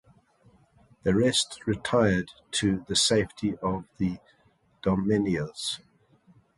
The rest retired to the safety of the Dardanelles.